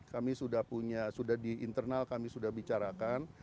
kami sudah punya sudah di internal kami sudah bicarakan